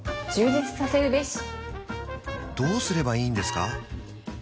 どうすればいいんですか？